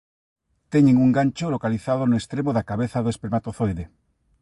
Teñen un gancho localizado no extremo da cabeza do espermatozoide.